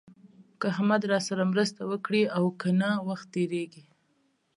که احمد راسره مرسته وکړي او که نه وخت تېرېږي.